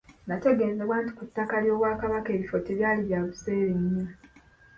Nategeezebwa nti ku ttaka ly'Obwakabaka ebifo tebyali bya buseere nnyo.